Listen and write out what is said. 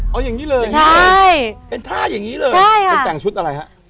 เอาอย่างนี้เลยใช่เป็นท่าอย่างนี้เลยเป็นแต่งชุดอะไรฮะ